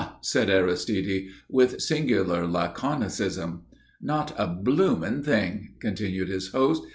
said Aristide, with singular laconicism. "Not a blooming thing," continued his host.